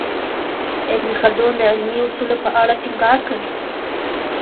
ابن خلدون د علمي اصولو په اړه ټینګار کوي.